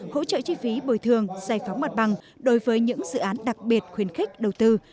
hỗ trợ chi phí bồi thường giải phóng mặt bằng đối với những dự án đặc biệt khuyến khích đầu tư